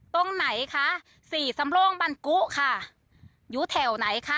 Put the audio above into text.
ตรงไหนคะสี่สำโรงบรรกุค่ะอยู่แถวไหนคะ